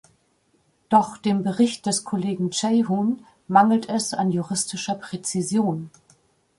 Doch dem Bericht des Kollegen Ceyhun mangelt es an juristischer Präzision.